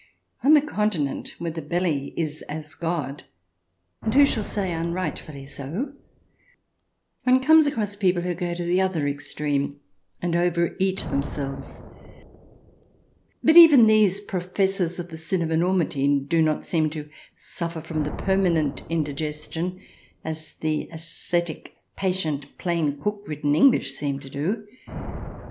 On the Continent, where the belly is as god — and CH. Ill] SLEEPY HOLLOW 4X who shall say unrightfully so ?— one comes across people who go to the other extreme and overeat themselves ; but even these professors of the sin of enormity do not seem to sujRfer from the permanent indigestion as the ascetic, patient, plain cook ridden English seem to do.